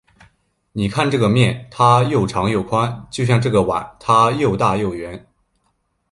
你看这个面，它又长又宽，就像这个碗，它又大又圆。